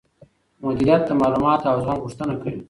مديريت د معلوماتو او زغم غوښتنه کوي.